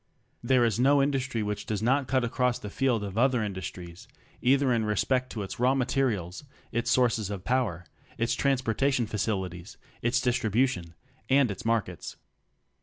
There is no industry which does not cut across the field of other in dustries, either in respect to its raw materials, its sources of power, its transportation facilities, its distribution, and its markets.